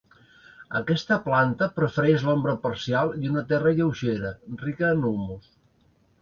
Aquesta planta prefereix l'ombra parcial i una terra lleugera, rica en humus.